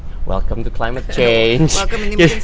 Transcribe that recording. selamat datang di perubahan klinik